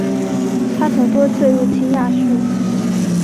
他曾多次入侵亚述。